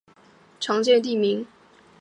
大工町是一个日本的常见地名。